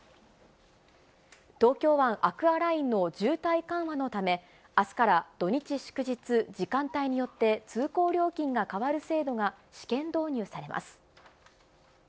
東京湾アクアラインの渋滞緩和のため、あすから土日祝日、時間帯によって通行料金が変わる制度が試験導入されます。